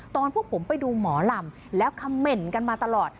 พวกผมไปดูหมอลำแล้วคำเหม็นกันมาตลอด